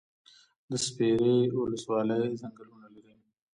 د سپیرې ولسوالۍ ځنګلونه لري